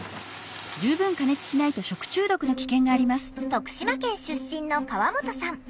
徳島県出身の川本さん。